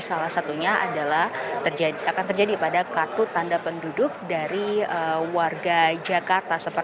salah satunya adalah akan terjadi pada kartu tanda penduduk dari warga jakarta